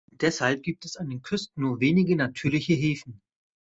Deshalb gibt es an den Küsten nur wenige natürliche Häfen.